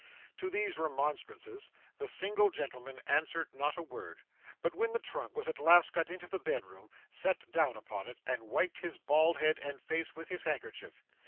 To these remonstrances, the single gentleman answered not a word, but when the trunk was at last got into the bed room, sat down upon it and wiped his bald head and face with his handkerchief.